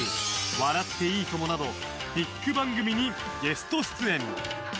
「笑っていいとも！」などビッグ番組にゲスト出演。